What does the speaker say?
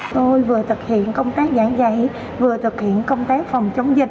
tôi vừa thực hiện công tác giảng dạy vừa thực hiện công tác phòng chống dịch